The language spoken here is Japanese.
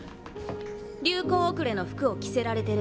流行後れの服を着せられてる。